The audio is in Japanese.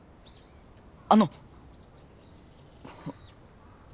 あの。